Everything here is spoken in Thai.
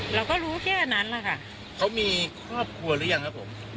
เราก็รู้แค่นั้นแหละค่ะเขามีครอบครัวหรือยังครับผม